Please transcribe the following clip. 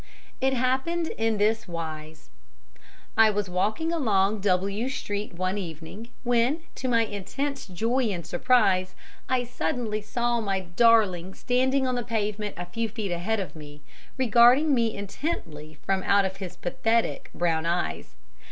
It happened in this wise: I was walking along W Street one evening when, to my intense joy and surprise, I suddenly saw my darling standing on the pavement a few feet ahead of me, regarding me intently from out of his pathetic brown eyes.